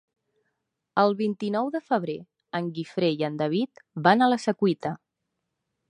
El vint-i-nou de febrer en Guifré i en David van a la Secuita.